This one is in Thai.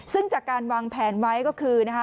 ซึ่งจากการวางแผนไว้ก็คือนะคะ